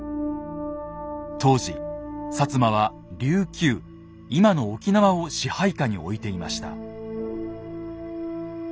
当時摩は琉球今の沖縄を支配下に置いていました。